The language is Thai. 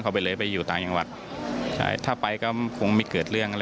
ไปเลยไปอยู่ต่างจังหวัดใช่ถ้าไปก็คงไม่เกิดเรื่องอะไร